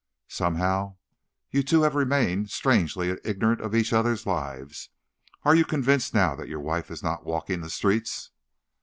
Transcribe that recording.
Somehow, you two have remained strangely ignorant of each other's lives. Are you convinced now that your wife is not walking the streets?"